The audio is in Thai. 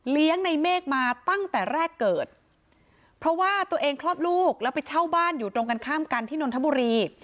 ในเมฆมาตั้งแต่แรกเกิดเพราะว่าตัวเองคลอดลูกแล้วไปเช่าบ้านอยู่ตรงกันข้ามกันที่นนทบุรี